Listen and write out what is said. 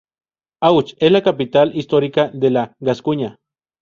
Auch es la capital histórica de la Gascuña.